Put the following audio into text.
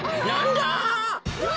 うわ！